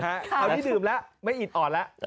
คราวนี้ดื่มแล้วไม่อิดอ่อนแล้ว